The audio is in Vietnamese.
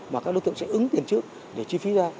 mà các đối tượng sẽ ứng tiền trước để chi phí ra